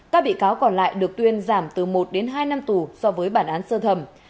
các bị cáo còn lại được tuyên giảm từ một đến hai năm tù so với bản án sơ thẩm